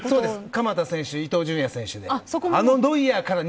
鎌田選手、伊東純也選手で。